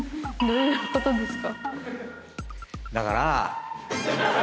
どういうことですか？